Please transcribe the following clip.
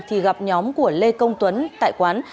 thì gặp nhóm của lê công tuấn tại quán